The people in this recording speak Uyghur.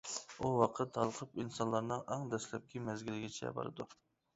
ئۇ ۋاقىت ھالقىپ ئىنسانلارنىڭ ئەڭ دەسلەپكى مەزگىلىگىچە بارىدۇ.